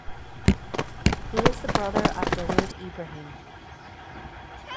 He is the brother of Dawood Ibrahim.